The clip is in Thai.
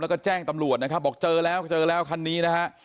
แล้วก็แจ้งตำรวจนะครับบอกเจอแล้วเจอแล้วคันนี้นะฮะ